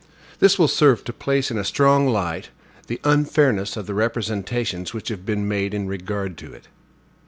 This will serve to place in a strong light the unfairness of the representations which have been made in regard to it.